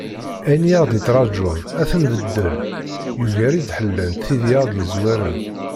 Ayen i aɣ-yettraǧun ad t-nbeddel, yugar i d-ḥellant tid i aɣ-d-yezwaren.